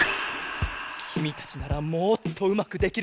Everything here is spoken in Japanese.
きみたちならもっとうまくできるよ！